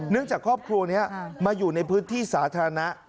จากครอบครัวนี้มาอยู่ในพื้นที่สาธารณะ